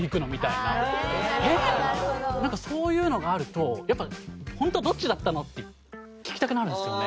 なんかそういうのがあるとやっぱ「ホントはどっちだったの？」って聞きたくなるんですよね。